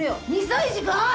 ２歳児か！？